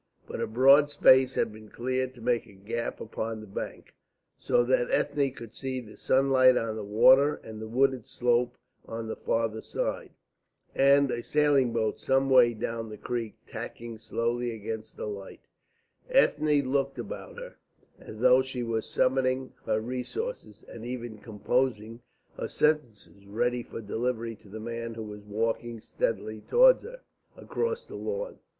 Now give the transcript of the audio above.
But a broad space had been cleared to make a gap upon the bank, so that Ethne could see the sunlight on the water and the wooded slope on the farther side, and a sailing boat some way down the creek tacking slowly against the light wind. Ethne looked about her, as though she was summoning her resources, and even composing her sentences ready for delivery to the man who was walking steadily towards her across the lawn.